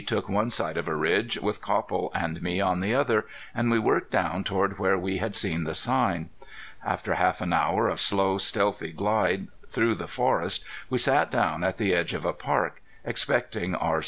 took one side of a ridge, with Copple and me on the other, and we worked down toward where we had seen the sign. After half an hour of slow, stealthy glide through the forest we sat down at the edge of a park, expecting R.